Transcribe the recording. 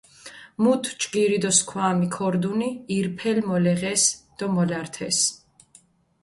მუთ ჯგირი დო სქვამი ქორდუნი ირფელი მოლეღეს დო მოლართეს.